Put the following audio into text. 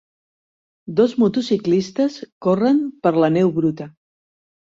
Dos motociclistes corren per la neu bruta.